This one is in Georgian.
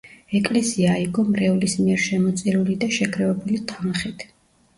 ეკლესია აიგო მრევლის მიერ შემოწირული და შეგროვებული თანხით.